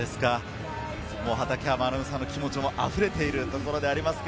畠山アナウンサーの気持ちもあふれているところでありますが、